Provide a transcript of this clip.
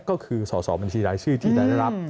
ก็คือสอบบัญชีรายชื่อที่จะได้รับ